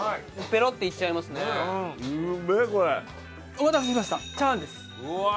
お待たせしましたチャーハンです。